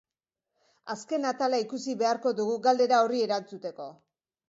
Azken atala ikusi beharko dugu, galdera horri erantzuteko.